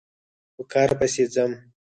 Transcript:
په کار پسې ځم